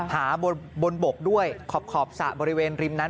หาบนบกด้วยขอบสระบริเวณริมนั้น